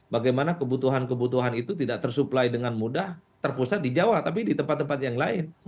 bagaimana kebutuhan kebutuhan itu tidak tersuplai dengan mudah terpusat di jawa tapi di tempat tempat yang lain